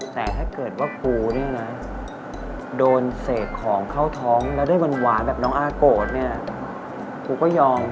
แต่ถ้าเกิดว่ากูเนี่ยนะโดนเสกของเข้าท้องแล้วได้หวานแบบน้องอาโกรธเนี่ยกูก็ยอม